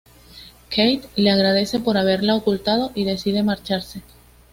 Kate le agradece por haberla ocultado y decide marcharse.